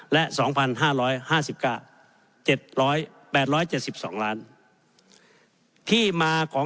และปี๒๕๕๙๘๗๒ล้าน